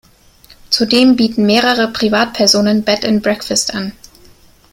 Zudem bieten mehrere Privatpersonen Bed and Breakfast an.